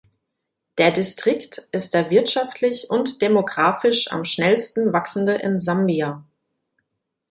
Der Distrikt ist der wirtschaftlich und demographisch am schnellsten wachsende in Sambia.